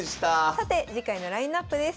さて次回のラインナップです。